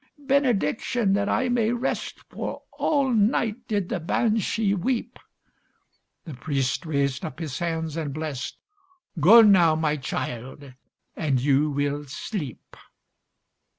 "Benediction, that I may rest, For all night did the Banshee weep." The priest raised up his hands and blest— "Go now, my child, and you will sleep."